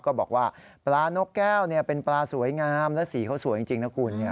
ก็บอกว่าปลานกแก้วเป็นปลาสวยงามและสีเขาสวยจริงนะคุณ